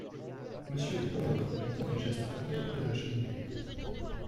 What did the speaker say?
Monsieur de Pomereux montra du geste un fauteuil près de la cheminée.